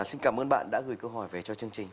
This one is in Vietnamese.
xin cảm ơn bạn đã gửi câu hỏi về cho chương trình